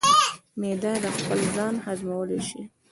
معده خپل ځان هضمولی شي.